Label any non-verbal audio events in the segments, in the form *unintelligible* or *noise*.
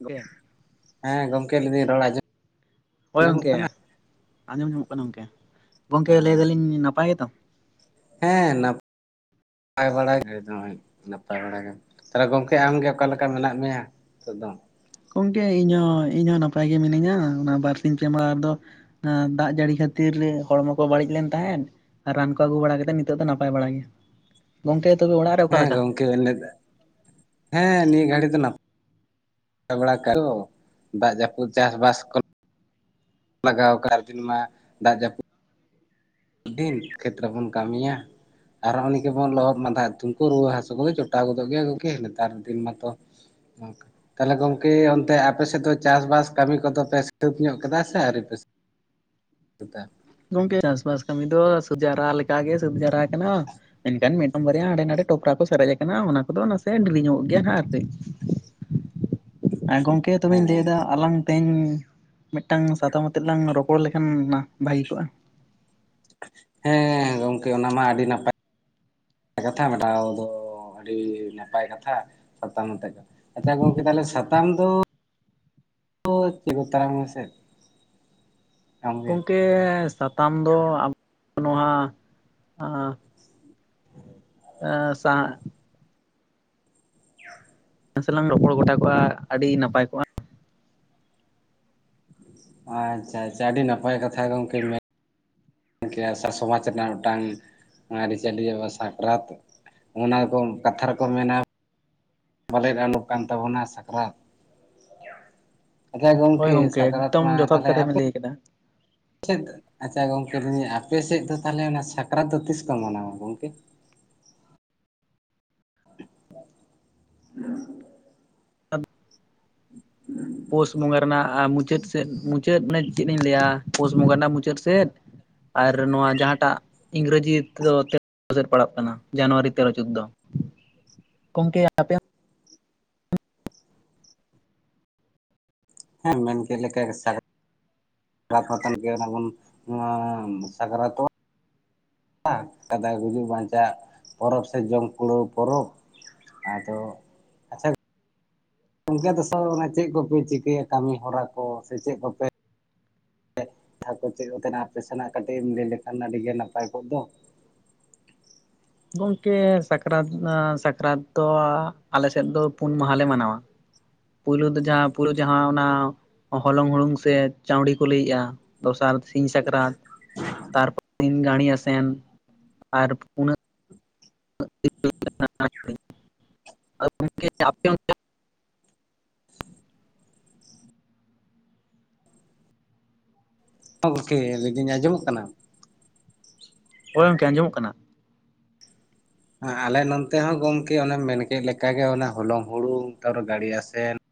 ᱵᱮ᱾ ᱦᱮᱸ ᱜᱚᱢᱠᱮ *unintelligible* ᱨᱚᱲ ᱟᱡᱚ ᱦᱳᱭ ᱜᱚᱝᱠᱮ ᱟᱸᱡᱚᱢ ᱧᱟᱢᱚᱜ ᱠᱟᱱᱟ ᱜᱚᱝᱠᱮ ᱜᱚᱝᱠᱮ ᱞᱟᱹᱭ ᱫᱟᱞᱤᱧ ᱱᱟᱯᱟᱭ ᱜᱮ ᱛᱚ ᱦᱮᱸ ᱱᱟ ᱯᱟᱭ ᱵᱟᱲᱟ ᱮ ᱫᱚ ᱦᱚᱸᱜᱼᱚᱭ ᱱᱟᱯᱟᱭ ᱵᱟᱲᱟ ᱜᱮ᱾ ᱛᱟᱞᱦᱮ ᱜᱚᱢᱠᱮ ᱟᱢᱜᱮ ᱚᱠᱟ ᱞᱮᱠᱟ ᱢᱮᱱᱟᱜ ᱢᱮᱭᱟ ᱱᱤᱛᱚᱜ ᱫᱚ ᱜᱚᱝᱠᱮ ᱤᱧᱦᱚᱸ ᱤᱧᱦᱚᱸ ᱱᱟᱯᱟᱭ ᱜᱮ ᱢᱤᱱᱟᱹᱧᱟ ᱚᱱᱟ ᱵᱟᱨᱥᱤᱧ ᱯᱮ ᱢᱟᱦᱟᱸ ᱫᱚ᱾ ᱦᱮᱸ, ᱫᱟᱜ ᱡᱟᱹᱲᱤ ᱠᱷᱟᱹᱛᱤᱨ ᱦᱚᱲᱢᱚ ᱠᱚ ᱵᱟᱹᱲᱤᱡ ᱞᱮᱱ ᱛᱟᱦᱮᱸᱫ᱾ ᱨᱟᱱ ᱠᱚ ᱟᱹᱜᱩ ᱵᱟᱲᱟ ᱠᱟᱛᱮ ᱱᱤᱛᱚᱜ ᱫᱚ ᱱᱟᱯᱟᱭ ᱵᱟᱲᱟ ᱜᱮ, ᱜᱚᱝᱠᱮ ᱛᱚᱵᱮ ᱚᱲᱟᱜ ᱨᱮ ᱚᱠᱟ ᱞᱮᱠᱟ? ᱠᱮ ᱟᱞᱮᱫᱟ ᱦᱮᱸ ᱱᱤᱭᱟᱹ ᱜᱷᱟᱹᱲᱤ ᱫᱚ ᱱᱟᱯ *unintelligible* ᱫᱟᱜ ᱡᱟᱯᱩᱫ ᱪᱟᱥᱼᱵᱟᱥ ᱠᱚ ᱞᱟᱜᱟᱣ ᱠᱟᱜ ᱫᱤᱱ ᱢᱟ ᱫᱟᱜ ᱡᱟ ᱰᱤᱱ ᱠᱷᱮᱛ ᱨᱮ ᱵᱚᱱ ᱠᱟᱹᱢᱤᱭᱟ᱾ ᱟᱨ ᱚ ᱱᱤᱝᱠᱟ ᱵᱚᱱ ᱞᱚᱦᱚᱫ ᱢᱟᱫᱟᱜ ᱫᱩᱠᱚ ᱨᱩᱣᱟ ᱦᱟᱹᱥᱩ ᱠᱚᱫᱚ ᱡᱚᱴᱟᱣ ᱜᱚᱫᱚᱜ ᱜᱮᱭᱟ ᱜᱚᱝᱠᱮ ᱱᱮᱛᱟᱨ ᱫᱤᱱ ᱢᱟᱛᱚ᱾ *inaudible* ᱜᱚᱝᱠᱮ ᱛᱟᱞᱦᱮ ᱜᱚᱝᱠᱮ ᱚᱱᱛᱮ ᱟᱯᱮ ᱥᱮᱫ ᱫᱚ ᱪᱟᱥᱼᱵᱟᱥ ᱠᱟᱹᱢᱤ ᱠᱚᱫᱚ ᱯᱮ ᱥᱤᱹᱛᱟᱵ ᱧᱚᱜ ᱠᱮᱫᱟ ᱥᱮ ᱟᱹᱣᱨᱤ ᱯᱮ ᱥᱤ ᱛᱩᱯᱟ ᱜᱚᱝᱠᱮ ᱪᱟᱥᱼᱵᱟᱥ ᱠᱟᱹᱢᱤ ᱫᱚ ᱥᱟᱹᱛ ᱡᱷᱟᱨᱟ ᱞᱮᱠᱟ ᱜᱮ ᱥᱟᱹᱛ ᱡᱷᱟᱨᱟ ᱠᱟᱱᱟ᱾ ᱢᱮᱱᱠᱷᱟᱱ ᱢᱤᱫᱴᱟᱝ ᱵᱟᱨᱭᱟ ᱦᱟᱸᱰᱮ ᱱᱟᱰᱮ ᱴᱩᱠᱼᱴᱟᱠ ᱠᱚ ᱥᱟᱨᱮᱡ ᱟᱠᱟᱱᱟ ᱚᱱᱟ ᱠᱚᱫᱚ ᱱᱟᱥᱮ ᱰᱤᱨᱤ ᱧᱚᱜ ᱜᱮᱭᱟ ᱦᱟᱜ ᱟᱨᱠᱤ᱾ ᱜᱚᱝᱠᱮ ᱛᱚᱵᱮᱧ ᱞᱟᱹᱭ ᱦᱮᱸ ᱫᱟ ᱟᱞᱟᱝ ᱛᱮᱦᱮᱧ ᱢᱤᱫᱴᱟᱝ ᱥᱟᱛᱟᱢ ᱟᱛᱮᱫ ᱞᱟᱝ ᱨᱚᱯᱚᱲ ᱞᱮᱠᱷᱟᱱ ᱱᱟ ᱵᱷᱟᱹᱜᱤ ᱠᱚᱜᱼᱟ᱾ ᱦᱮᱸ ᱜᱚᱝᱠᱮ ᱚᱱᱟ ᱢᱟ ᱟᱹᱰᱤ ᱱᱟᱯᱟ ᱠᱟᱛᱷᱟ ᱢᱮᱰᱟᱣ ᱫᱚ ᱟᱹᱰᱤ ᱱᱟᱯᱟᱭ ᱠᱟᱛᱷᱟ ᱥᱟᱛᱟᱢ ᱟᱛᱮ ᱟᱪᱪᱷᱟ ᱜᱚᱝᱠᱮ ᱛᱟᱦᱚᱞᱮ ᱥᱟᱛᱟᱢ ᱫᱚ ᱳ ᱠᱤᱨᱩ ᱛᱟᱨᱟᱝ ᱢᱮᱥᱮ᱾ ᱟᱢᱜᱮ ᱜᱚᱝᱠᱮ ᱥᱟᱛᱟᱢ ᱫᱚ ᱟᱵᱚ ᱱᱚᱣᱟ ᱟᱸ ᱥᱟᱸ *inaudible* ᱱᱟᱥᱮ ᱞᱟᱝ ᱨᱚᱯᱚᱲ ᱜᱚᱴᱟ ᱠᱚᱜᱼᱟ ᱟᱹᱰᱤ ᱱᱟᱯᱟᱭ ᱠᱚᱜᱼᱟ᱾ ᱟᱸᱪᱟ ᱟᱪᱟ ᱟᱹᱰᱤ ᱱᱟᱯᱟᱭ ᱠᱟᱛᱷᱟ ᱜᱚᱝᱠᱮ ᱢᱮ ᱚᱝᱠᱮ ᱟ ᱥᱟ-ᱥᱚᱢᱟᱡᱽ ᱨᱮᱱᱟᱜ ᱢᱤᱫᱴᱟᱝ ᱟᱹᱨᱤᱼᱪᱟᱹᱞᱤ ᱚ ᱥᱟᱠᱨᱟᱛ ᱚᱱᱟ ᱠᱚᱢ ᱠᱟᱛᱷᱟ ᱨᱮᱠᱚ ᱢᱮᱱᱟ᱾ *unintelligible* ᱠᱟᱱ ᱛᱟᱵᱚᱱᱟ ᱥᱟᱠᱨᱟᱛ᱾ ᱟᱪᱪᱷᱟ ᱜᱚᱝᱠᱮ ᱥᱟᱠᱨᱟᱛ ᱢᱟ ᱛᱟᱦᱚᱞᱮ ᱟᱯᱮ ᱜᱟᱹᱭ ᱠᱟᱰᱟ᱾ ᱪᱮᱫ? ᱟᱪᱪᱷᱟ ᱜᱚᱝᱠᱮ *unintelligible* ᱟᱯᱮ ᱥᱮᱫ ᱫᱚ ᱛᱟᱦᱚᱞᱮ ᱚᱱᱟ ᱥᱟᱠᱨᱟᱛ ᱫᱚ ᱛᱤᱥ ᱠᱚ ᱢᱟᱱᱟᱣᱼᱟ ᱜᱚᱝᱠᱮ? *inaudible* ᱯᱳᱥ ᱵᱚᱸᱜᱟ ᱨᱮᱱᱟᱜ ᱢᱩᱪᱟᱹᱫ ᱥᱮᱫ ᱢᱩᱪᱟᱹᱫ ᱢᱟᱱᱮ ᱪᱮᱫ ᱤᱧ ᱞᱟᱹᱭᱟ ᱯᱳᱥ ᱵᱚᱸᱜᱟ ᱨᱮᱱᱟᱜ ᱢᱩᱪᱟᱹᱫ ᱥᱮᱫ ᱟᱨ ᱱᱚᱣᱟ ᱡᱟᱦᱟᱸᱴᱟᱜ ᱤᱝᱨᱮᱡᱤ ᱛᱮᱫᱚ ᱛᱮᱚ ᱥᱮᱫ ᱯᱟᱲᱟᱜ ᱠᱟᱱᱟ ᱡᱟᱱᱩᱣᱟᱨᱤ ᱛᱮᱨᱚ ᱪᱩᱛ ᱫᱚ ᱾ ᱜᱚᱢᱠᱮ ᱟᱯᱮ ᱦᱮᱸᱢ ᱢᱮᱱ ᱠᱮᱫ ᱞᱮᱠᱟ ᱥᱟ *unintelligible* ᱚᱱᱟ ᱵᱩᱱ ᱮᱸ ᱥᱟᱠᱨᱟᱛᱚ ᱟ ᱠᱟᱫᱟ ᱜᱩᱡᱩᱜ ᱵᱟᱧᱪᱟᱜ ᱯᱚᱨᱚᱵᱽ ᱥᱮ ᱡᱚᱢ ᱠᱩᱲᱟᱹᱣ ᱯᱚᱨᱚᱵᱽ ᱟᱫᱚ ᱤᱱᱠᱟᱹ ᱫᱚᱥᱟᱨ ᱚᱱᱮ ᱪᱮᱜ ᱠᱚᱯᱮ ᱪᱤᱠᱟᱹᱭᱟ ᱠᱟᱹᱢᱤ ᱦᱚᱨᱟ ᱠᱚ ᱥᱮ ᱪᱮᱫ ᱠᱚᱯᱮ ᱛᱷᱟᱯᱚ ᱪᱮᱜ ᱞᱮᱠᱟᱱᱟ ᱟᱯᱮ ᱥᱮᱱᱟᱜ ᱠᱟᱹᱴᱤᱡ ᱮᱢ ᱞᱟᱹᱭ ᱞᱮᱠᱷᱟᱱ ᱟᱹᱰᱤ ᱜᱮ ᱱᱟᱹᱯᱟᱭ ᱠᱚᱜ ᱫᱚ᱾ ᱜᱚᱝᱠᱮ ᱥᱟᱠᱨᱟᱛ ᱟᱸ ᱥᱟᱠᱨᱟᱛ ᱛᱚ ᱟᱞᱮᱥᱮᱫ ᱫᱚ ᱯᱩᱱ ᱢᱟᱦᱟ ᱞᱮ ᱢᱟᱱᱟᱣᱟ᱾ ᱯᱳᱭᱞᱳ ᱫᱚ ᱡᱟᱦᱟᱸ ᱯᱳᱭᱞᱳ ᱡᱟᱦᱟᱸ ᱚᱱᱟ ᱦᱚᱞᱚᱝ ᱦᱩᱲᱩᱝ ᱥᱮ ᱪᱟᱣᱰᱤ ᱠᱚ ᱞᱟᱹᱭ ᱮᱜᱼᱟ ᱫᱚᱥᱟᱨ ᱥᱤᱧ ᱥᱟᱠᱨᱟᱛ ᱛᱟᱨᱯᱚᱨ ᱫᱤᱱ ᱜᱟᱲᱤ ᱟᱥᱮᱱ ᱟᱨ ᱯᱱᱟ *inaudible* ᱜᱚᱢᱠᱮ ᱞᱟᱹᱭᱫᱤᱧ ᱟᱸᱡᱚᱢᱚᱜ ᱠᱟᱱᱟ ᱾ ᱠᱚᱚᱲᱮᱚᱢᱠᱮ ᱟᱸᱡᱚᱢᱚᱜ ᱠᱟᱱᱟ ᱾ ᱟᱞᱮ ᱱᱚᱱᱛᱮ ᱦᱚᱸ ᱜᱚᱝᱠᱮ ᱚᱱᱮ ᱢᱮᱱᱠᱮᱫ ᱞᱮᱠᱟᱜᱮ ᱚᱱᱮ ᱦᱚᱞᱚᱝ ᱦᱩᱲᱩ ᱛᱟᱨᱯᱚᱨᱮ ᱜᱟᱲᱤᱭᱟᱥᱮᱱ ᱾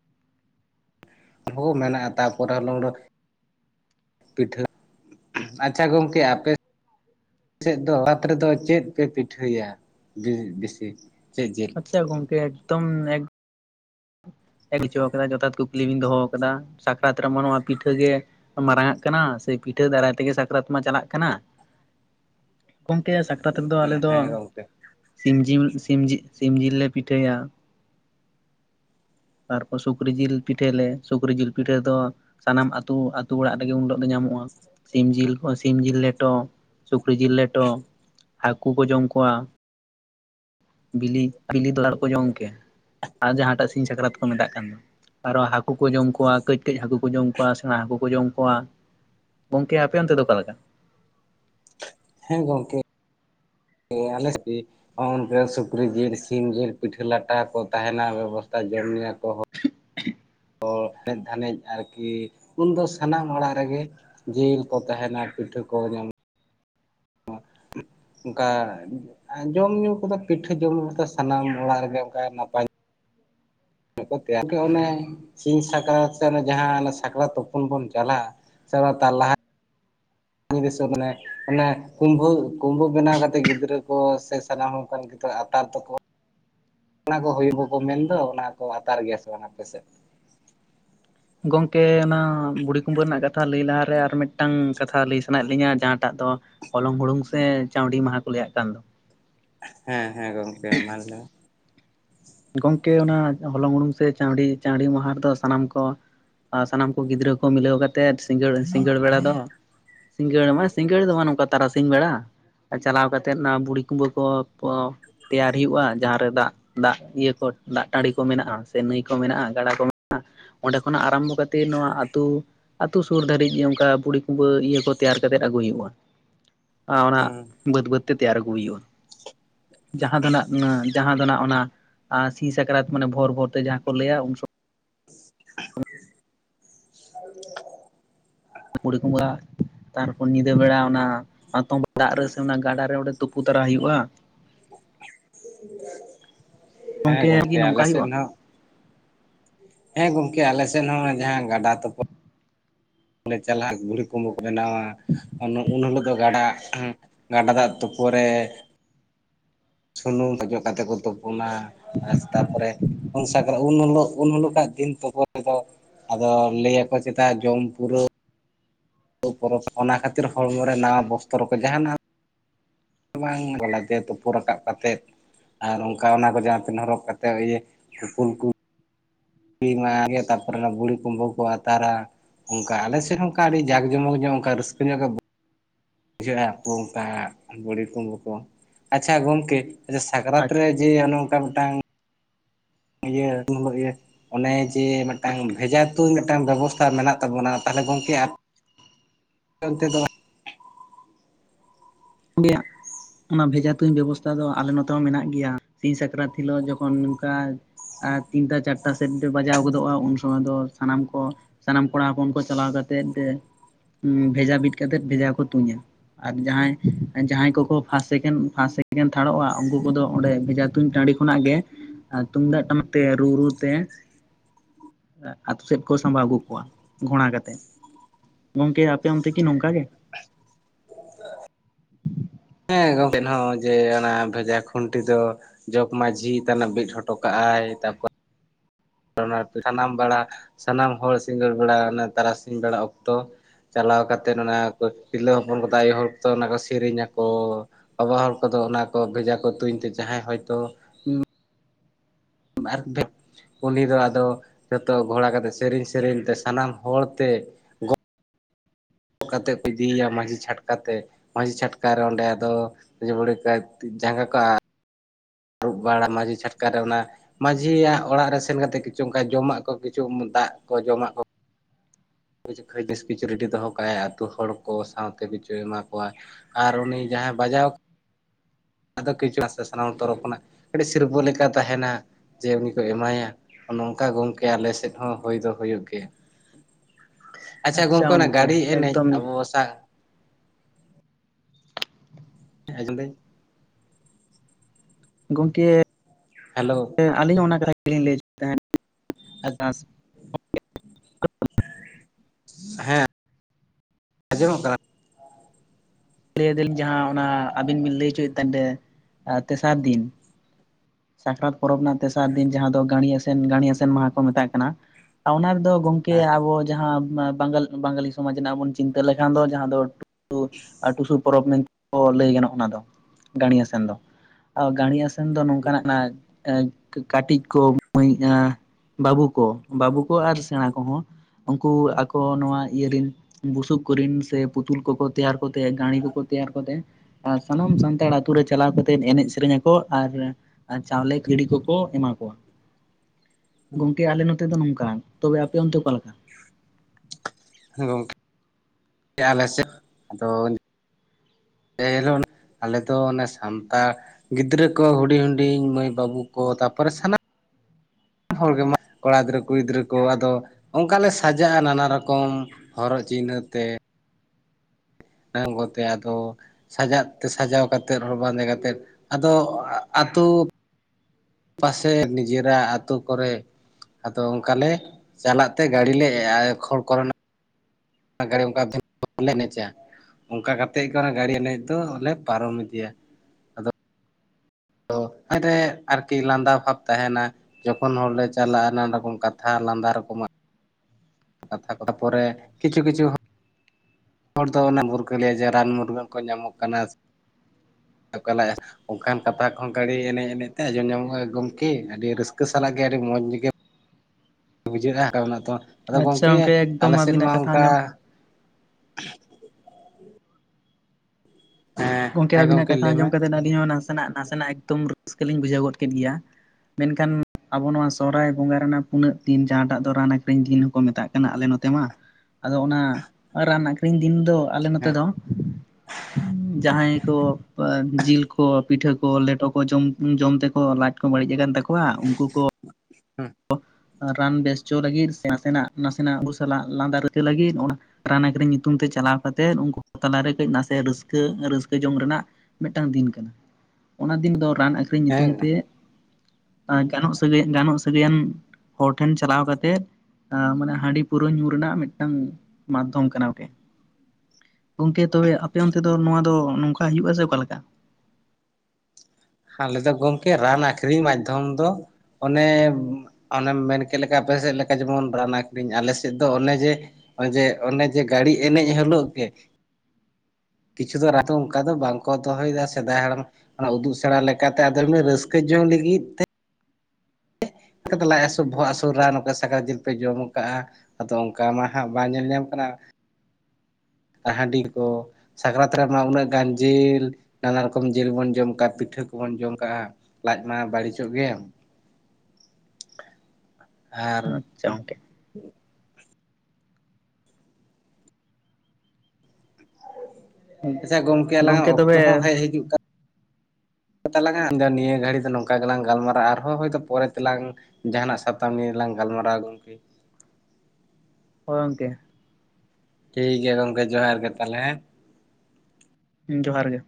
ᱦ ᱢᱮᱱᱟᱜᱼᱟ ᱛᱟᱨᱯᱚᱨᱮ ᱚᱞᱚᱝ ᱫᱚ ᱯᱤᱴᱷᱟᱹ ᱟᱪᱷᱟ ᱜᱚᱢᱠᱮ ᱟᱯᱮ ᱟᱯᱮ ᱥᱮᱫ ᱫᱚ ᱦᱟᱛ ᱨᱮᱫᱚ ᱪᱮᱫ ᱯᱮ ᱯᱤᱴᱷᱟᱹᱭᱟ ᱵᱮᱥᱤ ᱪᱮᱫ ᱡᱮᱫ ᱟᱪᱷᱟ ᱜᱚᱝᱠᱮ ᱮᱫᱚᱢᱠ ᱦᱮᱡ ᱦᱚᱪᱚ ᱟᱠᱟᱫᱟ ᱡᱚᱛᱷᱟᱛ ᱠᱩᱠᱞᱤ ᱞᱤᱧ ᱫᱚᱦᱚ ᱟᱠᱟᱫᱟ ᱥᱟᱠᱨᱟᱛ ᱨᱮᱢᱟ ᱱᱚᱣᱟ ᱯᱤᱴᱷᱟᱹ ᱜᱮ ᱢᱟᱨᱟᱝ ᱟᱜ ᱠᱟᱱᱟ ᱥᱮ ᱯᱤᱴᱷᱟᱹ ᱫᱟᱨᱟᱭ ᱛᱮᱜᱮ ᱥᱟᱠᱨᱟᱛ ᱢᱟ ᱪᱟᱞᱟᱜ ᱠᱟᱱᱟ ᱾ ᱜᱚᱢᱠᱮ ᱥᱟᱠᱨᱟᱛᱚ ᱟᱞᱮ ᱫᱚ ᱦᱮᱸ ᱜᱚᱝᱠᱮ ᱾ ᱥᱤᱢ ᱡᱤᱞᱢ ᱥᱤᱢ ᱡᱤᱞᱞ ᱞᱮ ᱯᱤᱴᱷᱟᱹᱭᱟ ᱛᱟᱨᱯᱚᱨ ᱥᱩᱠᱨᱤ ᱡᱤᱞ ᱯᱤᱴᱷᱟᱹ ᱞᱮ ᱥᱩᱠᱨᱤ ᱡᱤᱞ ᱯᱤᱴᱷᱟᱹ ᱫᱚ ᱥᱟᱱᱟᱢᱛ ᱟᱹᱛᱩ ᱚᱲᱟᱜ ᱨᱮᱜᱮ ᱩᱱᱤᱞᱳᱜ ᱫᱚ ᱧᱟᱢᱚᱜᱼᱟ ᱥᱤᱢ ᱡᱤᱞ ᱠᱚ ᱥᱤᱢ ᱡᱤᱞ ᱞᱮᱴᱚ ᱾ ᱥᱩᱠᱨᱤ ᱡᱤᱞ ᱞᱮᱴᱚ ᱦᱟᱹᱠᱩ ᱠᱚ ᱡᱚᱢ ᱠᱚᱣᱟ ᱵᱤᱞᱤ ᱵᱤᱞᱤ ᱫᱞᱟ ᱠᱚ ᱡᱚᱢ ᱠᱮᱭᱟ ᱟᱨ ᱡᱟᱦᱟᱸᱴᱟᱜ ᱥᱤᱧ ᱥᱟᱠᱨᱟᱛ ᱠᱚ ᱢᱮᱛᱟᱜ ᱠᱟᱱ ᱫᱚ ᱾ ᱟᱨᱚ ᱦᱟᱹᱠᱩ ᱠᱚ ᱡᱚᱢ ᱠᱚᱣᱟ ᱠᱟᱹᱡ- ᱠᱟᱹᱡ ᱦᱟᱹᱠᱩ ᱠᱚ ᱡᱚᱢ ᱠᱚᱣᱟ ᱥᱮᱬᱟ ᱦᱟᱹᱠᱩ ᱠᱚ ᱡᱚᱢ ᱠᱚᱣᱟ ᱾ ᱵᱚᱝᱠᱮᱯᱮᱭ ᱛ ᱫᱚᱠᱟᱞ ᱞᱮᱠᱟ ᱾ ᱦᱮᱸ ᱜᱚᱢᱠᱮ ᱟᱞᱮ ᱦᱚᱜᱼᱚᱝᱠᱟ ᱥᱩᱠᱨᱤ ᱡᱤᱞ ᱥᱤᱢ ᱡᱤᱞ ᱯᱤᱴᱷᱟᱹ ᱞᱟᱴᱟ ᱠᱚ ᱛᱟᱦᱮᱱᱟ ᱵᱮᱵᱚᱥᱛᱷᱟ ᱡᱚᱢᱼ ᱧᱩᱩ ᱠᱚ ᱾ ᱦᱮᱡ ᱫᱷᱷᱟᱱᱤᱡ ᱟᱨᱠᱤ ᱩᱱᱫᱚ ᱥᱟᱱᱟᱢ ᱚᱲᱟᱜ ᱨᱮᱜᱮ ᱾ ᱡᱤᱞ ᱠᱚ ᱛᱟᱦᱮᱱᱟ ᱯᱤᱴᱷᱟᱹ ᱠᱚ ᱧᱟᱢᱚᱜᱼᱟ ᱚᱱᱠᱟ ᱡᱚᱢᱧ ᱧᱩ ᱠᱚᱫᱚ ᱯᱤᱴᱷᱟᱹ ᱡᱚᱢ ᱧᱩ ᱞᱮᱠᱟ ᱥᱟᱱᱟᱢ ᱚᱲᱟᱜ ᱨᱮᱜᱮ ᱚᱱᱠᱟ ᱱᱟᱯᱟᱭ ᱾ ᱟᱨ ᱚᱱᱮ ᱥᱤᱧ ᱥᱟᱠᱨᱟᱛ ᱥᱮ ᱚᱱᱮ ᱡᱟᱦᱟᱸ ᱚᱱ ᱥᱟᱠᱨᱟᱛ ᱛᱩᱯᱩᱱ ᱵᱚᱱ ᱪᱟᱞᱟᱜᱼᱟ ᱪᱟᱞ ᱛᱟᱞ *inaudible* ᱫᱤᱥᱟᱹ ᱢᱟᱱᱮ ᱚᱱᱮ ᱠᱩᱵᱟᱹ ᱠᱩᱸᱵᱟᱹ ᱵᱮᱱᱟᱣ ᱠᱟᱛᱮ ᱜᱤᱫᱽᱨᱟᱹ ᱠᱚ ᱥᱮ ᱥᱟᱱᱟᱢᱠ ᱜᱮ ᱾ ᱱᱛᱟᱞ ᱛᱠᱚ ᱚᱱᱟ ᱠᱚ ᱦᱩᱭᱩᱜ ᱵᱟᱠᱚ ᱢᱮᱱᱫᱚ ᱚᱱᱟ ᱠᱚ ᱟᱛᱟᱨ ᱜᱮᱭᱟ ᱥᱮ ᱵᱟᱝ ᱟᱯᱮ ᱥᱮᱫ *unintelligible* ᱜᱚᱢᱠᱮ ᱚᱱᱟ ᱵᱩᱲᱦᱤ ᱠᱩᱢᱵᱟᱹ ᱨᱮᱱᱟᱜ ᱠᱟᱛᱷᱟ ᱞᱟᱹᱭ ᱞᱟᱦᱟᱨᱮ ᱟᱨ ᱢᱤᱫᱴᱟᱝ ᱠᱟᱛᱷᱟ ᱞᱟᱹᱭ ᱥᱟᱱᱟᱭᱮᱫ ᱞᱤᱧᱟᱹ ᱡᱟᱦᱟᱸᱴᱟᱜ ᱫᱚ ᱾ ᱦᱚᱞᱚᱝ ᱦᱩᱲᱩᱝ ᱥᱮ ᱪᱟᱹᱰᱤ ᱢᱟᱦᱟ ᱠᱚ ᱞᱟᱹᱭᱟᱜ ᱠᱟᱱ ᱫᱚ ᱾ ᱦᱮᱸ ᱦᱮᱸ ᱜᱚᱝᱠᱮᱟᱞᱟᱹᱭ ᱢᱮ ᱜᱚᱝᱠᱮ ᱚᱱᱟ ᱦᱚᱞᱚᱝ ᱦᱩᱲᱩᱝ ᱥᱮ ᱪᱟᱹᱰᱤ ᱪᱟᱹᱰᱤ ᱢᱟᱦᱟ ᱨᱮᱫᱚ ᱥᱟᱱᱟᱢ ᱠᱚ ᱾ ᱟᱨ ᱥᱟᱱᱟᱢ ᱠᱚ ᱜᱤᱫᱽᱨᱟᱹ ᱠᱚ ᱢᱤᱞᱟᱹᱣ ᱠᱟᱛᱮᱮᱫ ᱥᱤᱸᱜᱟ. ᱲ ᱥᱤᱸᱜᱟᱹᱲ ᱵᱮᱲᱟ ᱫᱚ ᱥᱤᱸᱜᱟᱹᱟᱹᱲ ᱢᱟ ᱥᱤᱸᱜᱟᱹᱲ ᱫᱚ ᱵᱟᱝ ᱱᱚᱝᱠᱟ ᱛᱟᱨᱟᱥᱤᱧ ᱵᱮᱲᱟ ᱾ ᱪᱟᱞᱟᱣ ᱠᱟᱛᱮᱫ ᱚᱱᱟ ᱵᱩᱲᱦᱤ ᱠᱩᱢᱵᱟᱹ ᱠᱚ ᱛᱮᱭᱟᱨ ᱦᱩᱭᱩᱜᱼᱟ ᱡᱟᱦᱟᱸ ᱨᱮ ᱫᱟᱜ ᱫᱟᱜ ᱤᱭᱟᱹ ᱠᱚ ᱫᱟᱜ ᱴᱟᱺᱰᱤ ᱠᱚ ᱢᱮᱱᱟᱜᱼᱟ ᱥᱮ ᱱᱟᱹᱭ ᱠᱚ ᱢᱮᱱᱟᱜᱼᱟ ᱜᱟᱰᱟ ᱠᱚ ᱢᱮᱱᱟᱜᱼᱟ ᱾ ᱚᱸᱰᱮ ᱠᱷᱚᱱᱟᱜ ᱟᱨᱟᱢᱵᱚ ᱠᱟᱛᱮᱮᱫ ᱱᱚᱣᱟ ᱟᱹᱛᱩ ᱾ ᱟ ᱟᱹᱛᱩᱳ ᱥᱩᱨ ᱫᱷᱟᱹᱨᱤᱡ ᱚᱱᱠᱟ ᱵᱩᱲᱤ ᱠᱩᱢᱵᱟᱹ ᱤᱭᱟᱹ ᱠᱚ ᱛᱮᱭᱟᱨ ᱠᱟᱛᱮᱮᱫ ᱟᱹᱜᱩᱭ ᱦᱩᱭᱩᱜᱼᱟ ᱾ ᱚᱱᱟ ᱦᱮᱸ ᱵᱟᱹᱫᱽ ᱵᱟᱹᱫᱽᱛᱮ ᱛᱮᱭᱟᱨ ᱟᱹᱜᱩ ᱦᱩᱭᱩᱜᱼᱟ ᱾ ᱡᱟᱦᱟᱸ ᱫᱚ ᱦᱟᱸᱜ ᱡᱟᱦᱟᱸ ᱫᱚ ᱟᱸᱜ ᱚᱱᱟ ᱥᱤᱧ ᱥᱟᱠᱨᱟᱛ ᱢᱟᱱᱮ ᱵᱷᱳᱨ ᱵᱷᱳᱨ ᱛᱮ ᱡᱟᱦᱟᱸ ᱠᱚ ᱞᱟᱹᱭᱟ ᱩᱱ ᱥᱚᱢᱚᱭ ᱾ *unintelligible* ᱠᱩᱲᱤ ᱠᱚᱢᱲᱟ ᱛᱟᱨᱯᱚᱨ ᱧᱤᱫᱟᱹ ᱵᱮᱲᱟ ᱚᱱᱟ ᱦᱟᱛᱚᱢ ᱚᱲᱟᱜ ᱨᱮ ᱥᱮ ᱚᱱᱟ ᱜᱟᱰᱟᱟᱨᱮ ᱚᱸᱰᱮ ᱛᱩᱯᱩ ᱛᱟᱨᱟ ᱦᱩᱭᱩᱜᱼᱟ ᱾ ᱦᱮᱸ ᱜᱚᱝᱠᱮ ᱟᱞᱮ ᱱᱚᱝᱠᱟ ᱥᱮᱫ ᱦᱩᱭᱩᱜᱼᱟ ᱦᱚᱸ ᱾ ᱦᱮᱸ ᱜᱚᱝᱠᱮ ᱟᱞᱮ ᱥᱮᱱ ᱦᱚᱸ ᱡᱟᱦᱟᱸ ᱜᱟᱰᱟ ᱛᱚᱯᱚᱞ ᱚᱸᱰᱮ ᱪᱟᱞᱟᱜ ᱵᱩᱲᱤ ᱠᱚᱢᱵᱟᱹ ᱠᱚ ᱵᱮᱱᱟᱣᱟ ᱩᱱ ᱦᱤᱞᱳᱜ ᱫᱚ ᱜᱟᱰᱟ ᱜᱟᱰᱟ ᱫᱟᱜ ᱛᱩᱯᱩᱨ ᱨᱮ ᱥᱩᱱᱩᱢ ᱚᱡᱚᱜ ᱠᱟᱛᱮ ᱠᱚ ᱛᱩᱯᱩᱱᱟ ᱛᱟᱯᱚᱨᱮ ᱾ ᱩᱱ ᱥᱟᱠᱨᱟ ᱩᱱ ᱦᱤᱞᱳᱜ ᱩᱱ ᱦᱤᱞᱳᱜᱟᱜ ᱫᱤᱱ ᱛᱚᱵᱚᱨ ᱨᱮ ᱫᱚ *inaudible* *unintelligible* ᱟᱫᱚ ᱞᱟᱹᱭᱟᱠᱚ ᱪᱮᱫᱟᱜ ᱡᱚᱢ ᱯᱩᱨᱟᱹᱣ, ᱯᱚᱨᱚᱵᱽ ᱚᱱᱟ ᱠᱷᱟᱹᱛᱤᱨ ᱦᱚᱲᱢᱚ ᱨᱮ ᱱᱟᱣᱟ ᱵᱚᱥᱛᱚᱨ ᱠᱚ ᱡᱟᱦᱟᱱᱟᱜ *inaudible* ᱵᱚᱞᱮᱛᱮ ᱛᱩᱯᱩ ᱨᱟᱠᱟᱵ ᱠᱟᱛᱮᱫ ᱟᱨ ᱚᱱᱠᱟ ᱚᱱᱟ ᱠᱚ ᱡᱟᱦᱟᱸ ᱛᱤᱱ ᱦᱚᱨᱚᱜ ᱠᱟᱛᱮᱫ ᱤᱭᱟᱹ *unintelligible* ᱠᱚ ᱯᱮ ᱢᱟᱦᱟᱸ ᱜᱮ ᱛᱟᱨᱯᱚᱨ ᱵᱩᱲᱤ ᱠᱚᱢᱵᱟᱹ ᱠᱚ ᱟᱛᱟᱨ ᱚᱱᱠᱟ ᱟᱞᱮᱥᱮᱫ ᱦᱚᱸ ᱚᱱᱠᱟᱹ ᱟᱰᱤ ᱡᱟᱠ ᱡᱚᱢᱚᱠ ᱧᱚᱜ ᱚᱱᱠᱟ ᱨᱟᱹᱥᱠᱟᱹ ᱧᱚᱜ ᱜᱮ *unintelligible* ᱠᱚ ᱢᱮᱛᱟ ᱵᱩᱲᱦᱤ ᱠᱩᱢᱵᱟ ᱠᱚ ᱟᱪᱪᱷᱟ ᱜᱚᱢᱠᱮ ᱡᱮ ᱥᱟᱠᱨᱟᱛ ᱟᱨ ᱨᱮ ᱡᱮ ᱚᱱᱮ ᱚᱱᱠᱟ ᱢᱤᱫᱴᱟᱝ, ᱤᱭᱟᱹ ᱚᱱᱟ ᱫᱚ ᱤᱭᱟᱹ ᱚᱱᱮ ᱡᱮ ᱢᱤᱫᱴᱟᱝ ᱵᱷᱮᱡᱟ ᱛᱩ ᱢᱤᱫᱴᱟᱝ ᱵᱮᱵᱚᱥᱛᱷᱟ ᱢᱮᱱᱟᱜ ᱛᱟᱵᱚᱱᱟ ᱛᱟᱦᱚᱞᱮ ᱜᱚᱝᱠᱮ ᱚᱱᱛᱮ ᱫᱚ ᱜᱮᱭᱟ ᱚᱱᱟ ᱵᱷᱮᱡᱟ ᱛᱩᱧ ᱵᱮᱵᱚᱥᱛᱷᱟ ᱫᱚ ᱟᱞᱮ ᱱᱚᱛᱮ ᱦᱚᱸ ᱢᱮᱱᱟᱜ ᱜᱮᱭᱟ ᱥᱤᱧ ᱥᱟᱠᱨᱟᱛ ᱦᱤᱞᱳᱜ ᱡᱚᱠᱷᱚᱱ ᱱᱚᱝᱠᱟ ᱟᱨ ᱛᱤᱱᱴᱟ ᱪᱟᱨᱴᱟ ᱥᱮᱫ, ᱵᱟᱡᱟᱣ ᱜᱚᱫᱚᱜᱼᱟ ᱩᱱ ᱥᱚᱢᱚᱭ ᱫᱚ ᱥᱟᱱᱟᱢ ᱠᱚ ᱥᱟᱱᱟᱢ ᱠᱚᱲᱟ ᱦᱚᱯᱚᱱ ᱠᱚ ᱪᱟᱞᱟᱣ ᱠᱟᱛᱮᱫ ᱵᱷᱮᱡᱟ ᱵᱤᱫ ᱠᱟᱛᱮᱜ ᱵᱷᱮᱡᱟ ᱠᱚ ᱛᱩᱧᱟ ᱟᱨ ᱡᱟᱦᱟᱸᱭ ᱡᱟᱦᱟᱭ ᱠᱚᱠᱚ ᱯᱷᱟᱥ ᱥᱮᱠᱮᱱ ᱲᱯᱷᱟᱥ ᱥᱮᱠᱮᱱ ᱛᱷᱟᱲᱚᱜᱼᱟ ᱩᱱᱠᱩ ᱠᱚᱫᱚ ᱚᱸᱰᱮ ᱵᱷᱮᱡᱟ ᱛᱩᱧ ᱴᱟᱺᱰᱤ ᱠᱷᱚᱱᱟᱜ ᱜᱮ ᱟᱨ ᱛᱩᱢᱫᱟᱜ ᱴᱟᱢᱟᱠ ᱛᱮ ᱨᱩ ᱨᱩ ᱛᱮ ᱟᱛᱳ ᱥᱮᱫ ᱠᱚ ᱥᱟᱢᱵᱟᱣ ᱟᱹᱜᱩ ᱠᱚᱣᱟ ᱜᱷᱚᱲᱟ ᱠᱟᱛᱮ, ᱜᱚᱝᱠᱮ ᱟᱯᱮ ᱚᱱᱛᱮ ᱠᱤ ᱱᱚᱝᱠᱟ ᱜᱮ? ᱦᱮᱸ ᱜᱚᱝᱠᱮ ᱦᱚᱸ ᱡᱮ ᱚᱱᱟ ᱵᱷᱮᱡᱟ ᱠᱷᱩᱱᱴᱤ ᱫᱚ ᱡᱚᱜᱽ ᱢᱟᱹᱡᱷᱤ ᱛᱟᱱᱟ ᱵᱮᱫ ᱦᱚᱴᱚ ᱠᱟᱜᱼ ᱟᱭ ᱛᱟᱨᱯᱚᱨ *unintelligible* ᱥᱟᱱᱟᱢ ᱵᱟᱲᱟ ᱥᱟᱱᱟᱢ ᱦᱚᱲ ᱥᱤᱸᱜᱟᱹᱲ ᱵᱮᱲᱟ ᱚᱱᱟ ᱛᱟᱨᱟᱥᱤᱧ ᱵᱮᱲᱟ ᱚᱠᱛᱚ ᱪᱟᱞᱟᱣ ᱠᱟᱛᱮᱫ ᱚᱱᱟ ᱠᱚ ᱛᱤᱨᱞᱟᱹ ᱦᱚᱯᱚᱱ ᱠᱚᱫᱚ ᱟᱭᱳ ᱦᱚᱲ ᱠᱚᱫᱚ ᱚᱱᱟ ᱠᱚ ᱥᱮᱨᱮᱧᱟᱜ ᱠᱚ ᱵᱟᱵᱟ ᱦᱚᱲ ᱠᱚᱫᱚ ᱚᱱᱟ ᱠᱚ ᱵᱷᱮᱡᱟ ᱠᱚ ᱛᱩᱧ ᱛᱮ ᱡᱟᱦᱟᱸᱭ ᱦᱚᱭᱛᱳ, *unintelligible* ᱩᱱᱤ ᱫᱚ ᱟᱫᱚ ᱡᱚᱛᱚ ᱜᱷᱚᱲᱟ ᱠᱟᱛᱮ ᱥᱮᱨᱮᱧ ᱥᱮᱨᱮᱧ ᱛᱮ ᱥᱟᱱᱟᱢ ᱦᱚᱲ ᱛᱮ ᱚᱠᱟ ᱛᱮ ᱠᱚ ᱤᱫᱤᱭᱮᱭᱟ ᱢᱟᱺᱡᱷᱤ ᱪᱷᱟᱴ ᱠᱟ ᱛᱮ ᱢᱟᱺᱡᱷᱤ ᱪᱷᱟᱴᱠᱟᱨᱮ ᱚᱸᱰᱮ ᱟᱫᱚ *unintelligible* ᱡᱟᱸᱜᱟ ᱠᱚᱜᱼᱟ ᱟᱹᱨᱩᱵ ᱵᱟᱲᱟ ᱢᱺᱡᱷᱤ ᱪᱷᱟᱴᱠᱟ ᱨᱮ ᱚᱱᱟ, ᱢᱟᱹᱡᱷᱤᱭᱟᱜ ᱚᱲᱟᱜ ᱨᱮ ᱥᱮᱱ ᱠᱟᱛᱮᱫ ᱠᱤᱪᱷᱩ ᱚᱱᱠᱟ ᱡᱚᱢᱟᱜ ᱠᱚ ᱠᱤᱪᱷᱩ ᱫᱟᱜ ᱠᱚ ᱡᱚᱢᱟᱜ ᱠᱚ, *unintelligible* ᱡᱟᱹᱠᱷᱟᱹᱭ ᱵᱮᱥ ᱯᱤᱪ ᱨᱮᱰᱤ ᱫᱚᱦᱚ ᱠᱟᱜᱼᱟᱭ ᱟᱹᱛᱳ ᱦᱚᱲ ᱠᱚ ᱥᱟᱶᱛᱮ ᱠᱤᱪᱷᱩ ᱮᱢᱟ ᱠᱚᱣᱟᱭ᱾ ᱟᱨ ᱩᱱᱤ ᱡᱟᱦᱟᱸᱭ ᱵᱟᱡᱟᱣ ᱟᱫᱚ ᱠᱤᱪᱷᱩ ᱥᱟᱱᱟᱢ ᱛᱚᱨᱚᱯ ᱠᱷᱚᱱᱟᱜ ᱠᱟᱹᱴᱤᱡ ᱥᱤᱨᱯᱟᱹ ᱞᱮᱠᱟ ᱛᱟᱦᱮᱱᱟ, ᱡᱮ ᱩᱱᱤ ᱠᱚ ᱮᱢᱟᱭᱟ ᱱᱚᱝᱠᱟ ᱜᱚᱢᱠᱮ ᱟᱞᱮ ᱥᱮᱫ ᱦᱚᱸ ᱦᱩᱭ ᱫᱚ ᱦᱩᱭᱩᱜ ᱜᱮᱭᱟ, ᱟᱪᱪᱷᱟ ᱜᱚᱝᱠᱮ ᱚᱱᱟ ᱜᱟᱹᱰᱤ ᱮᱱᱮᱡ ᱟᱵᱚ ᱥᱟ *unintelligible* ᱜᱚᱝᱠᱮ ᱦᱮᱞᱳ ᱟᱹᱞᱤᱧ ᱦᱚᱸ ᱚᱱᱟ ᱠᱟᱛᱷᱟ ᱜᱮᱞᱤᱧ ᱞᱟᱹᱭ ᱦᱚᱪᱚ ᱛᱟᱦᱮᱸᱫ *inaudible* ᱦᱮᱸ ᱟᱸᱡᱚᱢᱚᱜ ᱠᱟᱱᱟ ᱞᱟᱹᱭᱫᱟᱞᱤᱱ ᱡᱟᱦᱟᱸ ᱚᱱᱟ ᱟᱹᱵᱤᱱ ᱵᱤᱱ ᱞᱟᱹᱭ ᱦᱚᱪᱚᱭᱮᱫ ᱛᱟᱦᱮ *unintelligible* ᱛᱮᱥᱟᱨ ᱫᱤᱱ ᱥᱟᱠᱨᱟᱛ ᱯᱚᱨᱚᱵᱽ ᱨᱮᱱᱟᱜ ᱛᱮᱥᱟᱨ ᱫᱤᱱ ᱡᱟᱦᱟᱸ ᱫᱚ ᱜᱟᱲᱤ ᱟᱥᱮᱱ ᱜᱟᱲᱤ ᱟᱥᱮᱱ ᱢᱟᱦᱟ ᱠᱚ ᱢᱮᱛᱟᱜ ᱠᱟᱱᱟ ᱚᱱᱟ ᱫᱚ ᱜᱚᱝᱠᱮ ᱠᱟᱱᱟ ᱟᱵᱚ ᱡᱟᱦᱟᱸ ᱵᱟᱝᱟᱞ ᱵᱟᱝᱜᱟᱞᱤ ᱥᱚᱢᱟᱡᱽ ᱨᱮᱱᱟᱜ ᱵᱚᱱ ᱪᱤᱱᱛᱟᱹ ᱞᱮᱠᱷᱟᱱ ᱫᱚ ᱡᱟᱦᱟᱸ ᱫᱚ *unintelligible* ᱟᱨ ᱴᱩᱥᱩ ᱯᱚᱨᱚᱵᱽ ᱢᱮᱱᱛᱮ ᱞᱟᱹᱭ ᱜᱟᱱᱚᱜᱼᱟ ᱚᱱᱟ ᱫᱚ ᱜᱟᱲᱤ ᱟᱥᱮᱱ ᱫᱚ ᱟᱨ ᱜᱟᱲᱤᱭᱟᱥᱮᱱ ᱫᱚ, *unintelligible* ᱠᱟᱹᱴᱤᱡ ᱠᱚ ᱢᱟᱹᱭ *unintelligible* ᱵᱟᱹᱵᱩ ᱠᱚ, ᱵᱟᱹᱵᱩ ᱠᱚ ᱟᱨ ᱥᱮᱬᱟ ᱠᱚᱦᱚᱸ ᱩᱱᱠᱩ ᱟᱠᱚ ᱱᱚᱣᱟ ᱤᱭᱟᱹ ᱨᱮᱱ ᱵᱩᱥᱩᱵ ᱠᱚᱨᱮᱱ ᱥᱮ ᱯᱩᱛᱩᱞ ᱠᱚᱠᱚ ᱛᱮᱭᱟᱨ ᱠᱚ ᱛᱮ ᱜᱟᱹᱲᱤ ᱠᱚᱠᱚ ᱛᱮᱭᱟᱨ ᱠᱚᱛᱮ ᱟᱨ ᱥᱟᱱᱟᱢ ᱥᱟᱱᱛᱟᱲ ᱟᱛᱳ ᱨᱮ ᱪᱟᱞᱟᱣ ᱠᱟᱛᱮ ᱮᱱᱮᱡ ᱥᱮᱨᱮᱧ ᱟᱠᱚ ᱟᱨᱻ᱾ ᱟᱨ ᱪᱟᱣᱞᱮ ᱵᱷᱲᱤ ᱠᱚᱠᱚ ᱮᱢᱟ ᱠᱚᱣᱟ᱾ ᱜᱚᱢᱠᱮ ᱟᱞᱮ ᱱᱚᱛᱮ᱾ ᱱᱚᱛᱮ ᱫᱚ ᱱᱚᱝᱠᱟ ᱛᱚᱵᱮ ᱟᱯᱮ ᱚᱱᱛᱮ ᱚᱠᱟ ᱞᱮᱠᱟ? ᱜᱚᱝᱠᱮ ᱟᱞᱮ ᱥᱮᱫ ᱟᱫᱚ᱾ ᱡᱮ ᱦᱮᱞᱳ ᱟᱞᱮ ᱫᱚ ᱚᱱᱮ ᱥᱟᱱᱛᱟᱲ᱾ ᱜᱤᱫᱽᱨᱟᱹ ᱠᱚ ᱦᱩᱰᱤᱧ ᱦᱩᱰᱤᱧ ᱢᱟᱹᱭ ᱵᱟᱹᱵᱩ ᱠᱚ ᱛᱟᱨᱯᱚᱨᱮ ᱥᱟᱱᱟᱢ᱾ ᱦᱚᱲ ᱜᱮ ᱠᱚᱲᱟ ᱜᱤᱫᱽᱨᱟᱹ ᱠᱩᱲᱤ ᱜᱤᱫᱽᱨᱟᱹ ᱠᱚ ᱟᱫᱚ᱾ ᱚᱱᱠᱟᱞᱮ ᱥᱟᱡᱟᱜᱼᱟ ᱱᱟᱱᱟ ᱨᱚᱠᱚᱢ ᱦᱚᱨᱚᱜ ᱪᱤᱱᱦᱟᱹ ᱛᱮ᱾ ᱦᱮ ᱜᱚᱛᱮ ᱟᱫᱚ᱾ ᱥᱟᱡᱟᱜ ᱛᱮ ᱥᱟᱡᱟᱣ ᱠᱟᱛᱮᱫ ᱦᱚᱨᱚᱜ ᱵᱟᱸᱫᱮ ᱠᱟᱛᱮᱫ ᱟᱫᱚ ᱟᱛᱩ ᱯᱟᱥᱮᱡ ᱱᱤᱡᱮᱨᱟᱜ ᱟ ᱟᱹᱛᱳ ᱠᱚᱨᱮ᱾ ᱟᱫᱚ ᱚᱱᱠᱟ ᱞᱮ ᱪᱟᱞᱟᱜ ᱛᱮ ᱜᱟᱰᱤ ᱞᱮ ᱠᱷᱚᱲ ᱠᱚᱨᱮᱱᱟᱜ᱾ ᱚᱱᱟ ᱜᱟᱹᱰᱤ ᱚᱱᱠᱟᱞ ᱞᱮ ᱮᱱᱮᱡᱟ ᱚᱱᱠᱟ ᱠᱟᱛᱮᱫ ᱜᱮ ᱚᱱᱟ ᱜᱟᱹᱰᱤ ᱮᱱᱮᱡ ᱫᱚᱞᱮ ᱯᱟᱨᱚᱢ ᱤᱫᱤᱭᱟ᱾ ᱛᱚ ᱚᱸᱰᱮ ᱟᱨᱠᱤ ᱞᱟᱸᱫᱟ ᱵᱷᱟᱵᱽ ᱛᱟᱦᱮᱱᱟ᱾ ᱡᱚᱠᱷᱚᱱ ᱦᱚᱲᱞᱮ ᱪᱟᱞᱟᱜᱼᱟ ᱱᱟᱱᱟ ᱨᱚᱠᱚᱢ ᱠᱟᱛᱷᱟ ᱞᱟᱸᱫᱟ ᱨᱚᱠᱚᱢᱟᱜ ᱠᱟᱛᱷᱟ ᱠᱚᱫᱚ ᱯᱚᱨᱮ ᱠᱤᱪᱷᱩ ᱠᱤᱪᱷᱩ ᱦᱚ ᱦᱚᱲ ᱫᱚ ᱚᱱᱟ ᱵᱷᱩᱨᱠᱟᱹᱞᱭᱟ ᱡᱮ ᱨᱟᱱ ᱢᱩᱨᱜᱟᱹᱱ ᱠᱚ ᱧᱟᱢᱚᱜ ᱠᱟᱱᱟ᱾ ᱛ ᱠᱟᱞ *unintelligible* ᱚᱱᱠᱟᱱ ᱠᱟᱛᱷᱟ ᱠᱚᱦᱚᱸᱰᱤ ᱮᱱᱮᱡ ᱮᱱᱮᱡᱛᱮ ᱟᱸᱡᱚᱢ ᱧᱟᱢᱚᱜᱼᱟ ᱜᱚᱢᱠᱮ ᱟᱹᱰᱤ ᱨᱟᱹᱥᱠᱟᱹ ᱥᱟᱞᱟᱜ ᱜᱮ ᱟᱹᱰᱤ ᱢᱚᱸᱡᱽᱜᱮ ᱵᱩᱡᱷᱟᱹᱜᱼᱟ ᱛᱚ ᱟᱫᱚ ᱟᱪᱪᱷᱟ ᱜᱚᱢᱠᱮ ᱜᱚᱝᱠᱮ ᱮᱠᱫᱚᱢ ᱟᱞᱮᱥᱮᱫ ᱟᱹᱵᱤᱱᱟᱜ ᱢᱟ ᱠᱟᱛᱷᱟ ᱚᱱᱠᱟ᱾ ᱟᱸᱡᱚᱢ ᱦᱮᱸ ᱜᱚᱝᱠᱮ ᱦᱮᱸ ᱟᱹᱵᱤᱱᱟᱜ ᱜᱚᱢᱠᱮ ᱠᱟᱛᱷᱟ ᱞᱟᱹᱭ ᱢᱮ ᱟᱸᱡᱚᱢ ᱠᱟᱛᱮᱫ ᱟᱹᱞᱤᱧ ᱦᱚᱸ ᱱᱟᱥᱮᱱᱟᱜ ᱱᱟᱥᱮᱱᱟᱜ ᱮᱠᱫᱚᱢ ᱨᱟᱹᱥᱠᱟᱹ ᱞᱤᱧ ᱵᱩᱡᱷᱟᱹᱣ ᱜᱚᱫ ᱠᱮᱫ ᱜᱮᱭᱟ᱾ ᱢᱮᱱᱠᱷᱟᱱ ᱟᱵᱚ ᱱᱚᱣᱟ ᱥᱚᱦᱟᱭ ᱵᱚᱸᱜᱟ ᱨᱮᱱᱟᱜ ᱯᱩᱱᱟᱹᱜ ᱫᱤᱱ ᱡᱟᱦᱟᱸᱴᱟᱜ ᱫᱚ ᱨᱟᱱ ᱟᱠᱠᱷᱨᱤᱧ ᱫᱤᱱ ᱦᱚᱸᱠᱚ ᱢᱮᱛᱟᱜ ᱠᱟᱱᱟ ᱟᱞᱮ ᱱᱚᱛᱮ ᱢᱟ᱾ *inaudible* ᱟᱫᱚ ᱚᱱᱟ ᱨᱟᱱ ᱟᱹᱠᱷᱨᱤᱧ ᱫᱤᱱ ᱫᱚ ᱟᱞᱮ ᱱᱚᱛᱮ ᱦᱮᱸ ᱫᱚ ᱡᱟᱦᱟᱸᱭ ᱠᱚ ᱡᱤᱞ ᱠᱚ ᱯᱤᱴᱷᱟᱹ ᱠᱚ ᱞᱮᱴᱚ ᱠᱚ ᱡᱚᱢ ᱡᱚᱢ ᱛᱮᱠᱚ ᱞᱟᱡ ᱠᱚ ᱵᱟᱹᱲᱤᱡ ᱟᱠᱟᱱ ᱛᱟᱠᱚᱣᱟ ᱩᱱᱠᱩ ᱠᱚ᱾ *unintelligible* ᱨᱟᱱ ᱵᱮᱥ ᱦᱚᱪᱚ ᱞᱟᱹᱜᱤᱫ ᱥᱮ ᱱᱟᱥᱮᱱᱟᱜ ᱱᱟᱥᱮᱱᱟᱜ ᱩᱱᱠᱩ ᱥᱟᱞᱟᱜ ᱞᱟᱸᱫᱟ ᱨᱤᱠᱟᱹ ᱞᱟᱹᱜᱤᱫ ᱚᱱᱟ᱾ ᱨᱟᱹᱱ ᱟᱹᱠᱨᱤᱧ ᱧᱩᱛᱩᱢ ᱛᱮ ᱪᱟᱞᱟᱣ ᱠᱟ ᱠᱟᱛᱮᱮᱫ ᱩᱱᱠᱩ ᱛᱟᱞᱟᱨᱮ ᱠᱟᱹᱡ ᱱᱟᱥᱮ ᱨᱟᱹᱥᱠᱟᱹ ᱨᱟᱹᱥᱠᱟᱹ ᱡᱚᱝ ᱨᱮᱱᱟᱜ᱾ ᱢᱤᱫᱴᱟᱝ ᱫᱤᱱ ᱠᱟᱱᱟ᱾ ᱚᱱᱟ ᱫᱤᱱ ᱫᱚ ᱨᱟᱱ ᱟᱹᱜ᱾ ᱦᱮᱸ ᱧᱩᱛᱩᱢ ᱛᱮ ᱜᱟᱱᱚᱜ ᱥᱟᱹᱜᱟᱹᱭ ᱜᱟᱱᱚᱜᱟᱹᱜ᱾ ᱥᱟᱹᱜᱟᱹᱭᱟᱱ ᱦᱚᱲ ᱴᱷᱮᱱ ᱪᱟᱞᱟᱣ ᱠᱟᱛᱮᱫ᱾ ᱢᱟᱱᱮ ᱦᱟᱺᱰᱤ ᱯᱟᱹᱣᱟᱹ ᱧᱩ ᱨᱮᱱᱟᱜ ᱢᱤᱫᱴᱟᱝ ᱢᱟᱫᱽᱫᱷᱚᱢ ᱠᱟᱱᱟ ᱚᱠᱮ᱾ ᱜᱚᱝᱠᱮ ᱛᱚᱵᱮ ᱟᱯᱮ ᱚᱱᱛᱮ ᱫᱚ ᱱᱚᱣᱟ ᱫᱚ ᱱᱚᱝᱠᱟ ᱦᱩᱭᱩᱜᱼᱟ ᱥᱮ ᱚᱠᱟᱮᱠᱟ? ᱟᱞᱮ ᱫᱚ ᱜᱚᱢᱠᱮ ᱨᱟᱱ ᱟᱠᱷᱨᱤᱧ ᱢᱟᱫᱽᱫᱷᱚᱢ ᱫᱚ᱾ ᱚᱱᱮ ᱚᱱᱮᱢ ᱢᱮᱱᱠᱮᱫ ᱞᱮᱠᱟ ᱟᱯᱮ ᱥᱮᱫ ᱞᱮᱠᱟ ᱡᱮᱢᱚᱱ ᱨᱟᱱ ᱟᱠᱷᱨᱤᱧ ᱟᱞᱮ ᱥᱮᱫ ᱫᱚ ᱚᱱᱮ ᱡᱮ᱾ ᱜᱮ ᱡᱮ ᱚᱱᱮ ᱡᱮ ᱜᱟᱲᱤᱮᱱᱮᱡ ᱦᱤᱞᱳᱜ ᱜᱮ᱾ ᱠᱤᱪᱷᱩ ᱫᱚ ᱨ ᱚᱱᱠᱟ ᱫᱚ ᱵᱟᱝᱠᱚ ᱫᱚᱦᱚᱭᱮᱫᱟ ᱥᱮᱫᱟᱭ ᱦᱟᱲᱟᱢ ᱠᱚ᱾ ᱚᱱᱟ ᱩᱫᱩᱜ ᱥᱮᱬᱟ ᱞᱮᱠᱟᱛᱮ ᱟᱫᱚ ᱢᱤᱫ ᱨᱟᱹᱥᱠᱟᱹ ᱡᱚᱝ ᱞᱟᱹᱜᱤᱫ ᱛᱮ᱾ ᱟᱫᱚ ᱞᱟᱡ ᱦᱟᱹᱥᱩ ᱵᱚᱦᱚᱜ ᱦᱟᱥᱩ ᱨᱟᱱ ᱱᱚᱝᱠᱟ ᱥᱟᱠᱟᱢ ᱡᱤᱞ ᱯᱮ ᱡᱚᱢ ᱠᱟᱜᱼᱟ᱾ ᱟᱫᱚ ᱚᱱᱠᱟ ᱢᱟ ᱦᱟᱸᱜ ᱵᱟᱝ ᱧᱮᱞ ᱧᱟᱢ ᱠᱟᱱᱟ᱾ ᱛᱟᱦᱟ ᱰᱤᱲ ᱠᱚ ᱥᱟᱠᱨᱟᱛ ᱨᱮᱢᱟ ᱩᱱᱟᱹᱜ ᱜᱟᱱ ᱡᱤᱞ ᱱᱟᱱᱟ ᱨᱚᱠᱚᱢ ᱡᱤᱞ ᱵᱚᱱ ᱡᱚᱢ ᱠᱟᱜᱼᱟ ᱯᱤᱴᱷᱟᱹ ᱠᱚᱵᱚᱱ ᱡᱚᱢ ᱠᱟᱜᱼᱟ᱾ ᱞᱟᱡᱽ ᱢᱟ ᱵᱟᱹᱲᱤᱪᱚᱜ ᱜᱮ᱾ ᱟᱨ᱾ *unintelligible* ᱪᱟ ᱚᱝᱠᱮ᱾ ᱟᱪᱷᱟ ᱜᱚᱢᱠᱮ ᱜᱚᱝᱠᱮ ᱟᱞᱟᱝᱟᱜ ᱚᱠᱛᱚ ᱛᱚᱵᱮ ᱦᱚᱸ ᱦᱮᱡ ᱦᱤᱡᱩᱜ ᱠᱟᱱᱟ᱾ ᱛᱟᱞᱟᱝᱟ ᱟᱫᱚ ᱱᱤᱭᱟᱹ ᱜᱷᱟᱹᱲᱤ ᱫᱚ ᱱᱚᱝᱠᱟ ᱜᱮᱞᱟᱝ ᱜᱟᱞᱢᱟᱨᱟ ᱟᱨᱦᱚᱸ ᱦᱚᱭᱛᱳ ᱯᱚᱨᱮ ᱛᱮᱞᱟᱝ ᱡᱟᱦᱟᱱᱟᱜ ᱥᱟᱛᱟᱢ ᱱᱤᱭᱮ ᱞᱟᱝ ᱜᱟᱞᱢᱟᱨᱟᱣ ᱜᱚᱢᱠᱮ᱾ ᱦᱚᱭ ᱜᱚᱝᱠᱮ᱾ ᱴᱷᱤᱠ ᱜᱮᱮᱭᱟ ᱜᱚᱝᱠᱮ ᱡᱚᱦᱟᱨ ᱜᱮ ᱛᱟᱦᱚᱞᱮ ᱦᱮᱸ ᱦᱩᱸ ᱡᱚᱦᱟᱨ ᱜᱮ